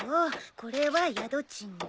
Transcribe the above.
これは宿賃で。